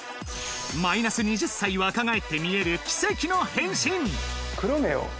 マイナス２０歳若返って見える奇跡の変身